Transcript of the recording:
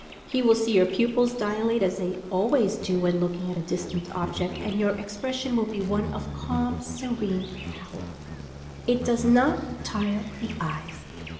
He will see your pupils dilate, as they always do when looking at a distant object, and your expression will be one of calm, se rene power. IT DOES NOT TIRE THE EYES.